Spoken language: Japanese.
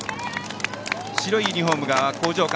白いユニフォームが興譲館。